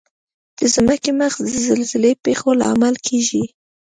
د ځمکې مغز د زلزلې پېښو لامل کیږي.